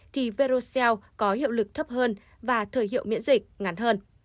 thì verocell có hiệu lực thấp hơn và thời hiệu miễn dịch ngắn hơn